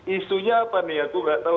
isunya apa nih aku gak tau